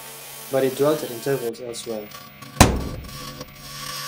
But he dwelt at intervals elsewhere.